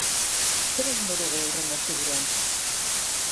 Zer egingo dugu hurrengo asteburuan?